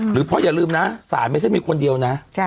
หรือเพราะอย่าลืมนะศาลไม่ใช่มีคนเดียวนะ